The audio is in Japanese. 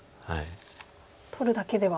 取るだけでは。